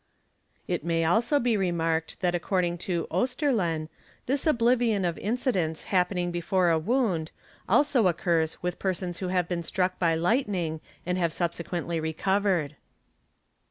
felt may also be remarked that according to Oesterlen this oblivion of neidents happening before a wound also occurs with persons who have 'been struck by lighting and have subsequently recovered.